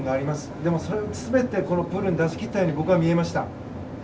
でも、それも全てこのプールで出し切ったように僕は見えました。